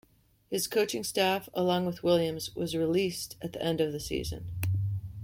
His coaching staff, along with Williams, was released at the end of the season.